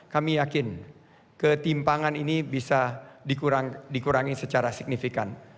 kami yakin ketimpangan ini bisa dikurangi secara signifikan